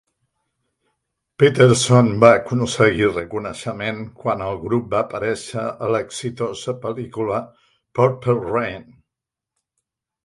Peterson va aconseguir reconeixement quan el grup va aparèixer a l'exitosa pel·lícula "Purple Rain".